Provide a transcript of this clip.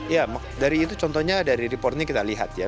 ya dari itu contohnya dari reportnya kita lihat ya